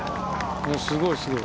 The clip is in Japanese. すごい、すごい。